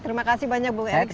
terima kasih banyak bu erik